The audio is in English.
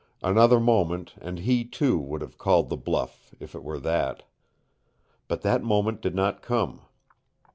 Another moment and he, too, would have called the bluff if it were that. But that moment did not come.